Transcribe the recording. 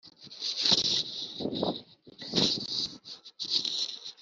ishyirahamwe hrw ryasanze kwemera ko ibyaha